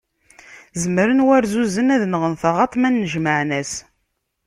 Zemren warzuzen ad nɣen taɣaṭ ma nnejmaɛen-as.